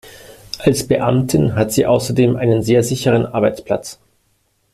Als Beamtin hat sie außerdem einen sehr sicheren Arbeitsplatz.